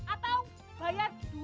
atau bayar dua puluh ribu